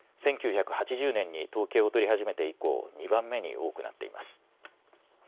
１９８０年に統計を取り始めて以降、２番目に多くなっています。